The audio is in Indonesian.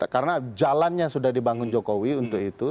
karena jalannya sudah dibangun jokowi untuk itu